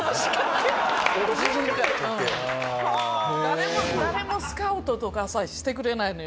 誰も誰もスカウトとかさえしてくれないのよ。